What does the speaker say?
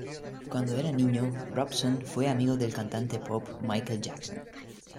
Cuando era niño, Robson fue amigo del cantante pop Michael Jackson.